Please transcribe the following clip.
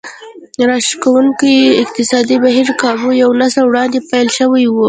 راښکوونکی اقتصادي بهير کابو یو نسل وړاندې پیل شوی و